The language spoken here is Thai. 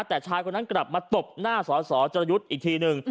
แต่ชายคนนั้นกลับมาตบหน้าสอสอจรยุทธ์อีกทีหนึ่ง